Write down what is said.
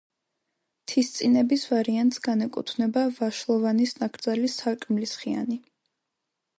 მთისწინების ვარიანტს განეკუთვნება ვაშლოვანის ნაკრძალის საკმლისხიანი.